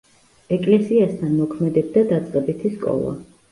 ეკლესიასთან მოქმედებდა დაწყებითი სკოლა.